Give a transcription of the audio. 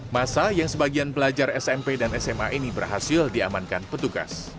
masa yang sebagian belajar smp dan sma ini berhasil diamankan petugas